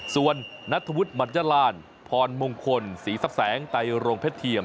ส่วนนัทวุฒิมัจจรานพรมงคลศรีซับแสงไตรโรงเพศเที่ยม